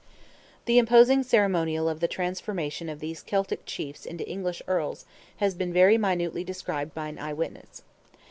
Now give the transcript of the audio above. The imposing ceremonial of the transformation of these Celtic chiefs into English Earls has been very minutely described by an eye witness.